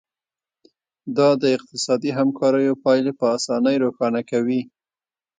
دا د اقتصادي همکاریو پایلې په اسانۍ روښانه کوي